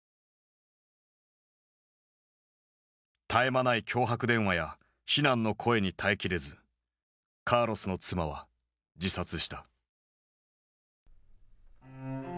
絶え間ない脅迫電話や非難の声に耐え切れずカーロスの妻は自殺した。